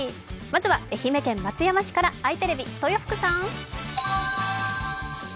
まずは愛媛県松山市からあいテレビ・豊福さん。